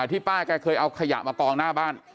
ที่ป้าแกเคยเอาขยะมากองหน้าบ้าน